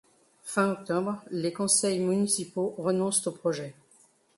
Fin octobre, les conseils municipaux renoncent au projet.